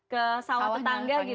ke sawah tetangga gitu